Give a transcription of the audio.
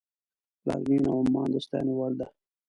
پلازمینه عمان د ستاینې وړ ده.